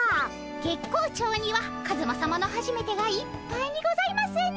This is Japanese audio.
月光町にはカズマさまのはじめてがいっぱいにございますね。